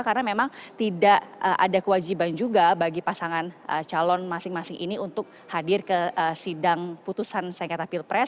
karena memang tidak ada kewajiban juga bagi pasangan calon masing masing ini untuk hadir ke sidang putusan sengketa pilpres